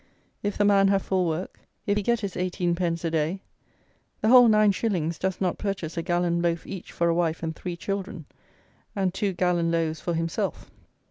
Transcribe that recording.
If the man have full work; if he get his eighteen pence a day, the whole nine shillings does not purchase a gallon loaf each for a wife and three children, and two gallon loaves for himself.